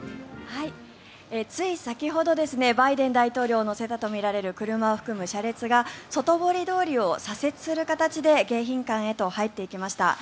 つい先ほどバイデン大統領を乗せたとみられる車を含む車列が外堀通りを左折する形で迎賓館へと入っていきました。